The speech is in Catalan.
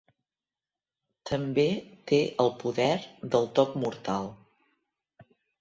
També té el poder del toc mortal.